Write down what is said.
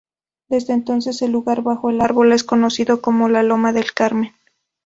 Desde entonces, el lugar bajo el árbol es conocido como la "Loma del Carmen".